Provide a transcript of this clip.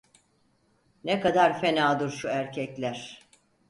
Ne kadar fenadır şu erkekler!